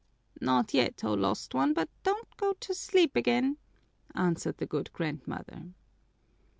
"Not yet, O lost one, but don't go to sleep again!" answered the good grandmother.